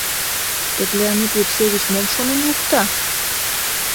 Дык Леонид Епсеевич мом шонен лукто?